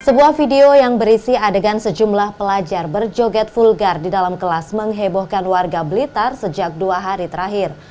sebuah video yang berisi adegan sejumlah pelajar berjoget vulgar di dalam kelas menghebohkan warga blitar sejak dua hari terakhir